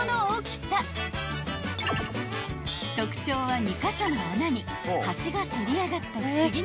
［特徴は２カ所の穴に端がせり上がった不思議な形状］